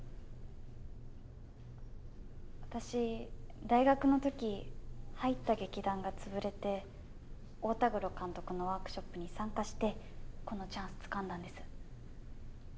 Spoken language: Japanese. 私大学のとき入った劇団がつぶれて太田黒監督のワークショップに参加してこのチャンスつかんだんです。